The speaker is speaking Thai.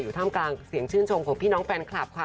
ท่ามกลางเสียงชื่นชมของพี่น้องแฟนคลับค่ะ